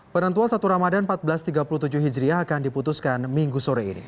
penentuan satu ramadan seribu empat ratus tiga puluh tujuh hijriah akan diputuskan minggu sore ini